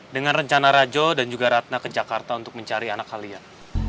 dengan rencana rajo dan juga ratna ke jakarta untuk mencari anak kalian